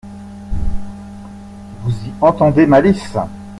Vous y entendez malice.